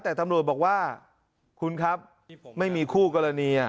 แต่ตำรวจบอกว่าคุณครับไม่มีคู่กรณี